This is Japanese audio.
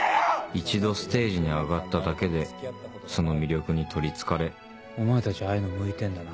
一度ステージに上がっただけでその魅力に取りつかれお前たちああいうの向いてんだな。